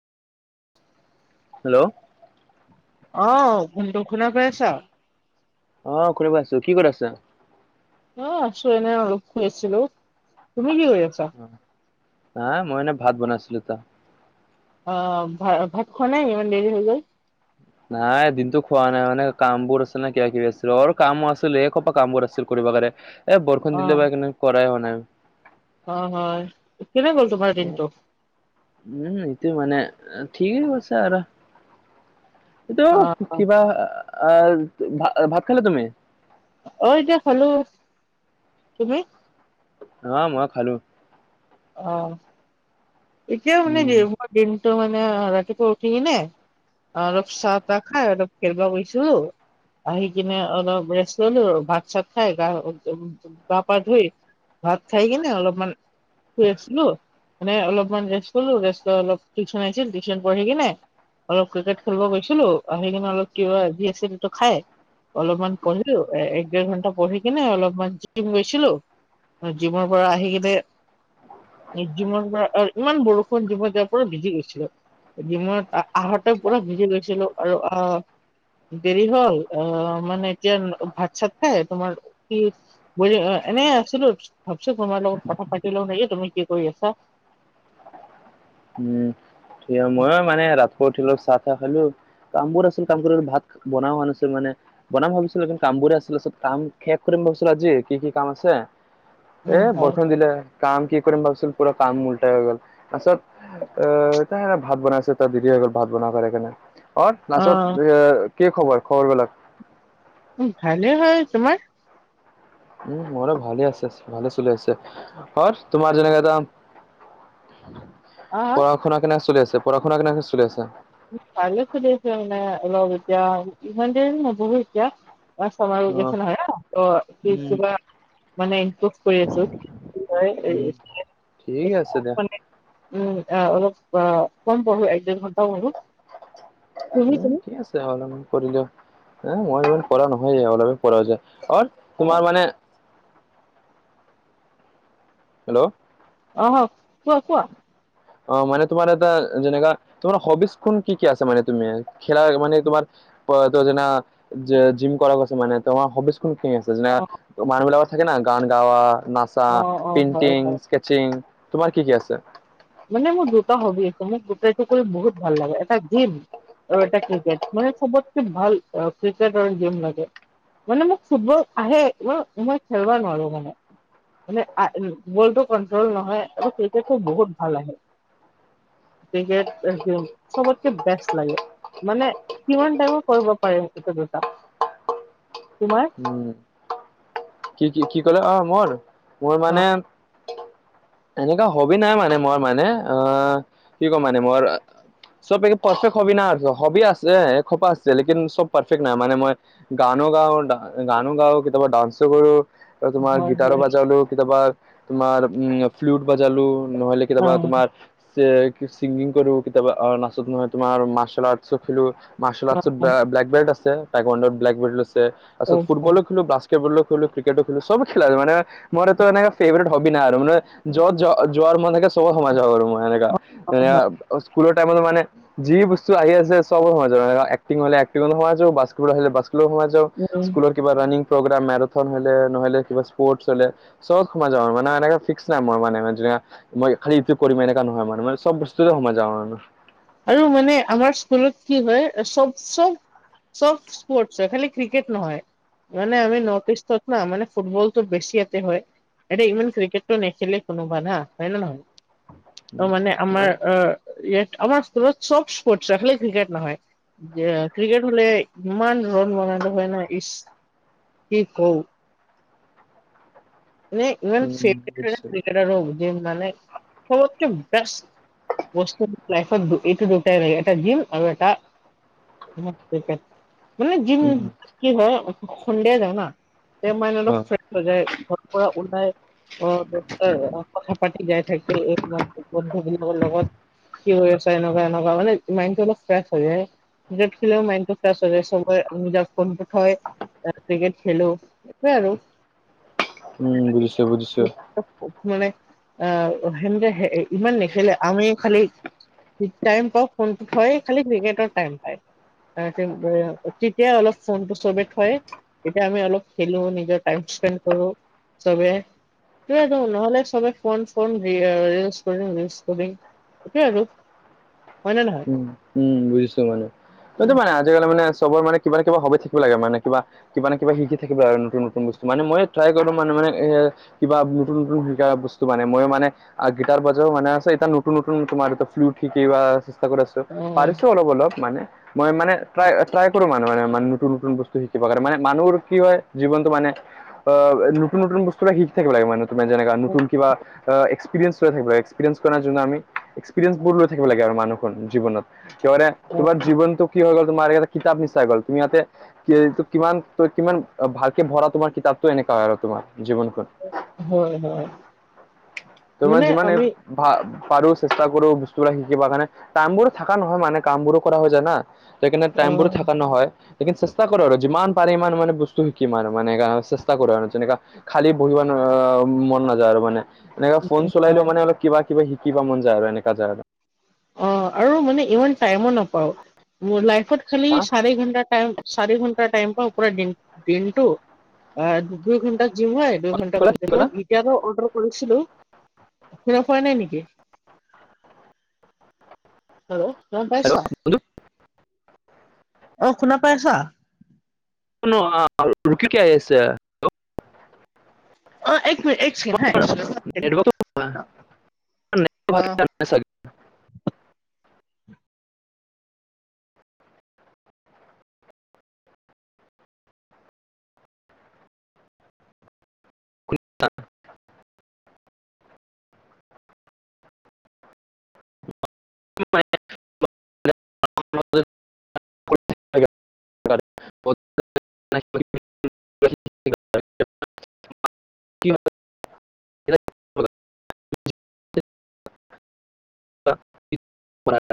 Hello. অ শুনটো শুনা পাইছা। অ খুৰে বাছো কি কৰি আছা? অ আছো এনেই অলপ শুই আছিলো। তুমি কি কৰি আছা? হা মই এনে ভাত বনাইছিলো তা। অ ভা ভাত খোৱা নাই ইমান দেৰি হৈ গ'ল। নাই দিনটো খোৱা নাই মানে কামবোৰ আছিল নে কিবা কিবি আছিল আৰু কামো আছিল এইসোপা কাম বোৰ আছিল কৰিব কাৰে। এ অ বৰষুণ দিলে বানে কৰাই হোৱা নাই। অ হয় কেনে গ'ল তোমাৰ এ দিনটো? উম, এইটোয়ে মানে ঠিকেই কৈছে আৰ। এইটো অ কিবা আহ ভাত খালা তুমি? অ এতিয়া খালো। তুমি? অ মই খালো। অ এতিয়া মানে উম মই দিনটো মানে ৰাতিপুৱা উঠি কিনে অ অলপ চাহ তাহ খাই অলপ খেৰবা কৈছিলো। আহি কিনে অলপ ৰেষ্ট ললো আৰু ভাত চাত খাই গা গা পা ধুই ভাত খাই কিনে অলপমান শুই আছিলো মানে অলপ অ ৰেষ্ট ললো ৰেষ্ট অলপ টিউচন আছিল টিউশন পঢ়ি কিনে অলপ ক্ৰিকেট খেলিব গৈছিলো আহ আহি কিনে অলপ কিবা যি আছে সেটো খাই অলপমান পঢ়িলো এক ডেৰ ঘন্টা পঢ়ি কিনে অলপমান জিম গৈছিলো। জিমৰ পৰা আহি কিনে জিমৰ পৰা আ- ইমান বৰষুণ দিবত যাৰ পৰা বিজি গৈছিল। জিমত আহতে পুৰা ভিজি গৈছিলো আৰু আহ দেৰি হ'ল অ মানে এতিয়া ভাত চাত খাই তোমাৰ কি বুলি অ এনে আছিলো ভাবিছো তোমাৰ লগত কথা পাতি লও নেকি, তুমি কি কৰি আছা? উম তিয় ময় মানে ৰাতিপুৱা উঠিলো অ চাহ চাহ খালো। কামবোৰ আছিল কাম কৰিব ভাত বনাও হোৱা নাছিল মানে বনাম ভাবিছিলো কিন্তু কামবোৰে আছিলে চব কাম শেষ কৰিম ভাবিছিলো আজি কি কি কাম আছে। এ উম হয় বৰষুণ দিলে কাম কি কৰিম ভাবচোন পুৰা কাম উল্টাই হৈ গল তাৰপিছত অ ভাত বনাই আছে তাৰ দিদি হৈ গ'ল ভাত বনোৱা কৰে সেইকাৰণে। অ অ', লাচত এ কি খবৰ খবৰ বিলাক? উম ভালে হয়, তোমাৰ? উম মোৰো ভালে আছে, ভালে চল আছে তত তোমাৰ যেনেকে আহা? পঢ়া - শুনা কেনে চলি আছে? পঢ়া - শুনা কেনে চলি আছে? ভালে চলি আছে এতিয়া অলপ এতিয়া ইমান দেৰি নপঢ়ো এতিয়া। অ চয় উম অ' গিছে নহয় ত পিছ উম কিবা মানে ইমপ্ৰুভ কৰি আছো উম ঠিক হয় আছে দিয়া [inaudible] উম অ অলপ অ কম পঢ়ো এক দেৰ ঘণ্টা পঢ়ো। তুমি উম তুমি? ঠিক আছে। অলপমান কৰিলেও মই য কৰা নহয় অলপে কৰা যায় আৰু অ', তোমাৰ মানে হেল্ল'? অহ কোৱা কোৱা? অ মানে তোমাৰ এটা যেনেকা তোমাৰ হবিচ খোন কি কি আছে মানে তুমি? খেলা মানে তোমাৰ প ত যেনা যে জিম কৰা গৈছে মানে তোমাৰ হবিছ হু ঠিক আছে যে অ', মানুহবিলাকৰ থাকে না গান গাৱা, নাচা, অ', অ', হয় পিণ্টিং, হয়। স্কে চিং, তোমাৰ কি কি আছে? মানে মোৰ দুটা হবি আছে, মোক গোটেই টো কৰি বহুত ভাল লাগে এটা দিম আৰু এটা ক্ৰিকেট মানে চবতকে ভাল ক্ৰিকেট ৰ গেম লাগে। মানে মোক ফুটবল আহে মই মই খেলব নোৱাৰো মানে। মানে আ বলটো কন্ট্ৰল নহয় আৰু ক্ৰিকেটটো বহুত ভাল আহে। ক্ৰিকেট একদম চবতকে বেষ্ট লাগে। মানে কিমান টাইমো কৰিব পাৰিম এইটো দুটা তোমাৰ? উম কি কি কি কলে অ মোৰ মোৰ অ মানে এনেকুৱা হবি নাই মানে মই মানে আহ কি কম মানে মই চব এক পাৰফেক্ট হবি নাই হবি আছে এ খোপা আছে লেকিন চব পাৰফেক্ট নাই মানে মই গানো গাও দা গানো গাও, কেতিয়াবা ডান্স টো কৰো তোমাৰ হয় গিটাৰো হয় বজালো, কেতিয়াবা তোমাৰ উম ফ্লুট বজালো নহলে অ কেতিয়াবা তোমাৰ চে চিংগিং কৰো কেতিয়াবা আৰ নাচ নহয় তোমাৰ মাৰ্চেল আৰ্টছ ও খেলো মাৰ্চেল অ আৰ্টচত ব্লে ব্লেকবেল্ট আছে, তাইকাণ্ডত ব্লেকবেল ও আছে অ তাৰপিছত ফুটবলো হয় খেলো, বাস্কেটবলো খেলো ক্ৰিকেট ও খেলো, সব খেলা মানে ম'ৰ একো মানে ফেভৰেট হবি নাই আৰু মানে যত য যোৱাৰ মনে কে চবত সমায় যাব পাৰো মই সেনেকা সেনেকা হয় স্কুলৰ টাইমত মানে যি বস্তু আহি আছে চবো সমা যো এক্টিং হলে এক্টিংট ও সমাজো, বাস্কেট হলে বাস্কেট লো সমাজ জ উম স্কুলৰ কিবা ৰানিং প্ৰগ্ৰাম মেৰাথন হলে নহলে কিবা স্পৰ্টছ হলে চবত সোমাযা মানে এনেকে ফিক্স নাই মোৰ মানে ধুইয়া মই খালি ইটো কৰিম এনেুৱা নহয় মোৰ মানে চব বস্তুতে সমায় যাওঁ আৰু মানে। আৰু মানে আমাৰ স্কুলত কি হয় চব - চব চব স্পৰ্টচ হয় খালি ক্ৰিকেট নহয়। মানে আমি নৰ্থ ইষ্টত না মানে ফুটবলটো বেছি ইয়াতে হয়। এতিয়া ইমান ক্ৰিকেটটো নেখেলে কোনোবা না হয় ন নহয়? অ মানে আমাৰ আহ ইয়াত আমাৰ স্কুলত চব স্পৰ্টচ হয় খালী ক্ৰিকেট নহয়। যে ক্ৰিকেট হলে ইমান ৰন বনালো হয় ন ইচ কি কও যে ইমান উম চেফ কে বুজিছো [inaudible] মানে সব তকে বেষ্ট বস্তু লাইফ ত এইটো দুটাই এটা জিম আৰু এটা [inaudible] মানে যিম উম কি হয় সন্ধিয়া যাও না তে মানে অ অলপ ফ্ৰেছ হৈ যায় ঘৰত পৰা ওলাই অ দাৰটাই কথা পাতি যাই থাকে এই বন্ধুবিলাকৰ লগত কি হৈ আছে এনেকুৱা এনেকুৱা মানে মাইণ্ডটো অলপ ফ্ৰেছ হৈ যায় ক্ৰিকেট খেলে মাইণ্ড টো ফ্ৰেছ হৈ যায় চবৰে আমিজে ফোনটো হয় এ ক্ৰিকেট খেলো এইটোৱে আৰু উম বুজিছো বুজিছো উপ মানে আহ সেনেকে হে ইমান নেখেলে আমি খালি ঠিক টাইম পাওঁ ফোনটো থয় খালি ক্ৰিকেট টাইম পায় তেতিয়া অলপ ফোনটো চবে থয় তেতিয়া আমি অলপ খেলো নিজৰ টাইম স্পেণ্ড কৰো। চবে ত নহলে চবে ফোন ফোন [unintelligible] কৰি কৰিম এইটোয়ে আৰু হয়নে নহয়? উম উম উম বুজিছো মানে সেইটো মানে আজিকালি মানে চবৰ মানে কিবা নহয় কিবা থাকিব লাগে মানে কিবা কিবা না কিবা শিকি থাকিব আৰু নতুন নতুন বস্তু মানে মই ট্ৰাই কৰো মান মানে এ কিবা নতুন নতুন শিকা বস্তু মানে মই মানে আৰ গিটাৰ বজাও মানা আছে এটা নতুন নতুন তোমাৰ ফ্লুট শিক ৱা চেষ্টা কৰি আছো পাৰিছো অ', অলপ অলপ মানে মই মানে ট্ৰাই ট্ৰাই কৰো মানুহ মানে নতুন নতুন বস্তু শিকিব কাৰণে মানে মানুহৰ কি হয় জীৱনটো মানে অ নতুন নতুন বস্তু বিলাক শিকি থাকিব লাগে মানে তোমাৰ যেনেকা নতুন কিবা আ এক্সপিৰিয়েঞ্চ লৈ থাকিব এক্সপিৰিয়েঞ্চ কৰাৰ ন জোনো আমি এক্সপিয়েঞ্চ বোৰ লৈ থাকিব লাগে আৰু মানুহখোন জীৱনত থিয়াৰে অ', তোমাৰ জীৱনটো কি হৈ গ'ল তোমাৰ এটা কিতাপ নিচাই হৈ গ'ল তুমি ইয়াতে কি কিমান ত কিমান ভালকে ভৰা তোমাৰ কিতাপটো এনেকুৱা হয় আৰু তোমাৰ জীৱনখন হয় হয় তোমাৰ মানে যিমান এই আমি ভা পাৰো চেষ্টা কৰো বস্তুবিলাক শিকিব কাৰণে টাইম বোৰ থাকা নহয় মানে কাম বোৰো কৰা হৈ যায় না সেইকাৰণে অ টাইম বোৰ থাকা নহয়। লেকিন চেষ্টা কৰো আৰু যিমান পাৰে ইমান মানে বস্তু শিকিম আৰু মানে চেষ্টা কৰো আৰু যেনেকা খালি বহিব অ মন নাযায় আৰু মানে এনেকা ফোন চলাই হয় লও মানে অলপ কিবা কিবা শিকিব মন যায় আৰু এনেকা যায় আৰু অ আৰু মানে ইমান টাইমো নাপাও মোৰ লাইফত খালি হা চাৰি ঘন্টা টাইম চাৰি ঘন্টা টাইম পাওঁ পুৰা দিনটো অ দুই ঘণ্টা যিম হয় কি দুইঘন্টাক ক'লা কি ক'লা মই এতিয়াতো অৰ্ডাৰ কৰিছিলো শুনা পোৱা নাই নেকি? হেল্ল, গম পাইছ? [unintelligible] অ শুনা পাইছা? শুনো আ ৰুকি কি আহি আছে। অ এক মিনিট এক ছেকেণ্ড ৰবা হা অ চাগ [unintelligible] [unintelligible] মইয়ে [unintelligible] কি [unintelligible] [unintelligible]